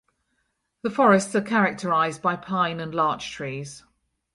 The forests are characterized by pine and larch trees.